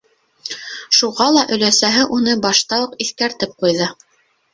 Шуға ла өләсәһе уны башта уҡ иҫкәртеп ҡуйҙы: